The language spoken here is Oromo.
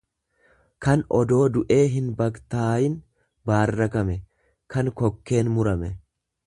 kan odoo du'ee hinbaktaayin baarrakame, kan kokkeen murame.